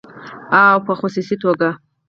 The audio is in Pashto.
او په خصوصي توګه